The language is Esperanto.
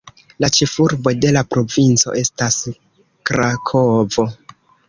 La ĉefurbo de la provinco estas Krakovo.